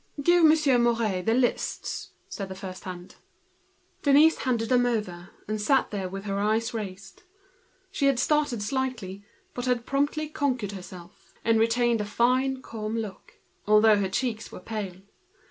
"Give Monsieur Mouret the lists," said the first hand. Denise gave them, and sat there with her eyes raised. She had slightly started, but had conquered herself, and retained a fine calm look, although her cheeks were pale.